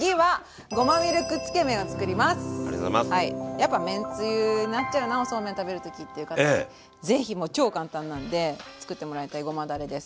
やっぱめんつゆになっちゃうなおそうめん食べる時っていう方はね是非もう超簡単なんでつくってもらいたいごまだれです。